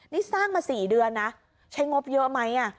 นี่สร้างมา๔เดือนนะใช้งบเยอะไหม